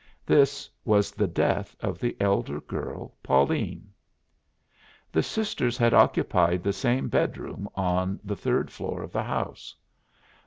This was the death of the elder girl, Pauline. The sisters had occupied the same bedroom on the third floor of the house.